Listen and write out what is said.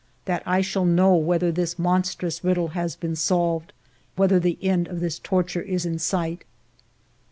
That I shall know whether this monstrous riddle has been solved, whether the end of this torture is in sight.